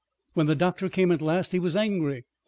When the doctor came at last he was angry.